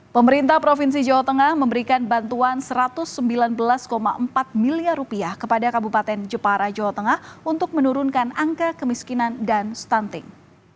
pemerintah provinsi jawa tengah memberikan bantuan rp satu ratus sembilan belas empat miliar kepada kabupaten jepara jawa tengah untuk menurunkan angka kemiskinan dan stunting